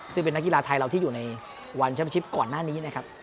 ซึ่งเป็นนักกีฬาไทยที่เราอยู่ในวันก่อนหน้านี้นะครับ